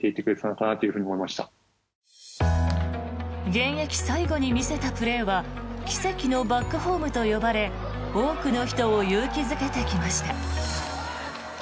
現役最後に見せたプレーは奇跡のバックホームと呼ばれ多くの人を勇気付けてきました。